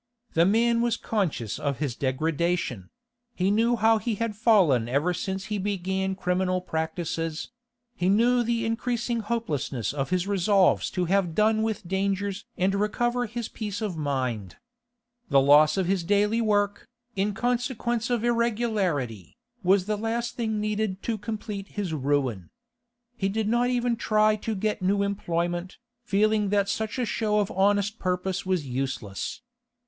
The man was conscious of his degradation; he knew how he had fallen ever since he began criminal practices; he knew the increasing hopelessness of his resolves to have done with dangers and recover his peace of mind. The loss of his daily work, in consequence of irregularity, was the last thing needed to complete his ruin. He did not even try to get new employment, feeling that such a show of honest purpose was useless.